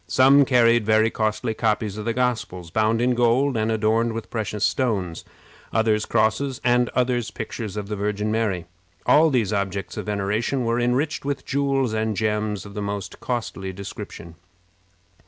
Some carried very costly copies of the Gospels, bound in gold and adorned with precious stones; others crosses, and others pictures of the Virgin Mary. All these objects of veneration were enriched with jewels and gems of the most costly description.